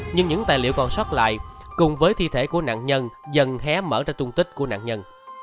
nhưng những tài liệu còn sót lại cùng với thi thể của nạn nhân dần hé mở ra tung tích của nạn nhân